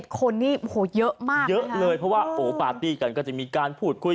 ๑๑คนนี่เยอะมากเลยนะเยอะเลยเพราะว่าปาร์ตี้กันก็จะมีการพูดคุย